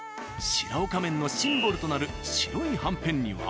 シラオカ麺のシンボルとなる白いはんぺんには。